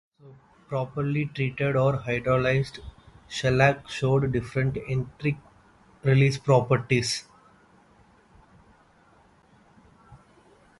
Properly treated or hydrolyzed shellac showed different enteric release properties.